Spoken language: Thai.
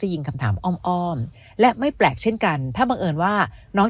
ยิงคำถามอ้อมอ้อมและไม่แปลกเช่นกันถ้าบังเอิญว่าน้อง